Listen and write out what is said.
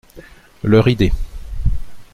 Leur idée.